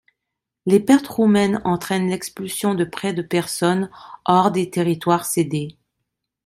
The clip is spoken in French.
Les pertes roumaines entraînent l’expulsion de près de personnes hors des territoires cédés.